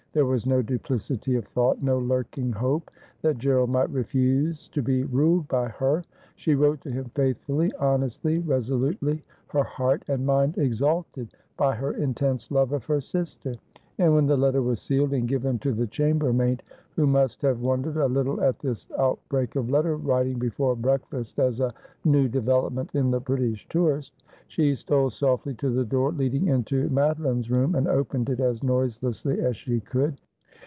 There was no duplicity of thought, no lurking hope that Gerald might refuse to be ruled by her. She wrote to him faithfully, honestly, resolutely, her heart and mind exalted by her intense love of her sister. And when the letter was sealed and given to the chambermaid — who must have wondered a little at this outbreak of letter writing before break fast as a new development in the British tourist — she stole softly '/ may not don as every Ploughman may.'' 297 to the door leading into Madeline's room and opened it as noise lessly as she could.